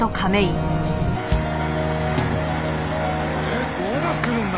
ええっどうなってるんだ！？